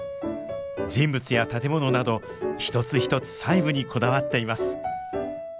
人物や建物など一つ一つ細部にこだわっています。